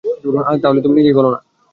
তাহলে তুই নিজেই বল না?